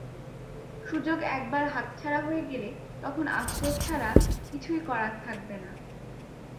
সুযোগ একবার হাতছাড়া হয়ে গেলে তখন আফসোস ছাড়া আর কিছুই করার থাকবে না।